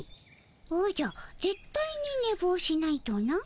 おじゃぜっ対にねぼうしないとな？